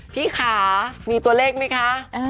พี่ขามีตัวเลขไหมคะ